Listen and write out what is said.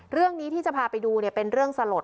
เรื่องนี้ที่จะพาไปดูเป็นเรื่องสลด